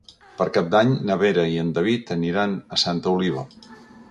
Per Cap d'Any na Vera i en David aniran a Santa Oliva.